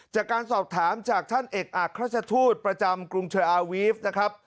จากการสอบถามจากท่านเอกอักราชทูตประจำกรุงเทอร์อาวีฟนะครับ